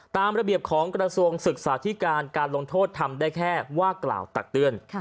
ตามระเบียบของกระทรวงศึกษาธิการการลงโทษทำได้แค่ว่ากล่าวตักเตือน